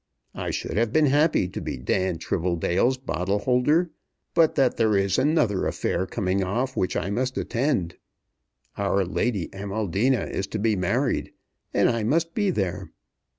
I should have been happy to be Dan Tribbledale's bottle holder, but that there is another affair coming off which I must attend. Our Lady Amaldina is to be married, and I must be there.